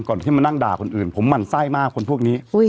ก่อนให้มานั่งด่าคนอื่นผมมั่นใส่มากคุณพวกนี้